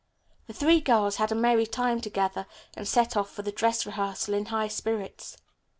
The three girls had a merry time together and set off for the dress rehearsal in high spirits.